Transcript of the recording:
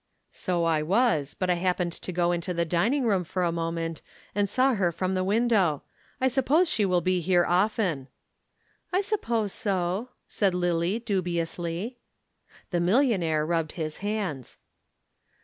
"So I was, but I happened to go into the dining room for a moment and saw her from the window. I suppose she will be here often." "I suppose so," said Lillie dubiously. The millionaire rubbed his hands.